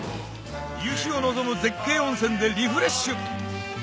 夕陽を望む絶景温泉でリフレッシュ！